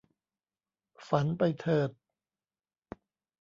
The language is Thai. ฝันไปเถิด !